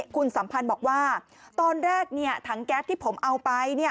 คุณสัมพันธ์บอกว่าตอนแรกถังแก๊สที่ผมเอาไป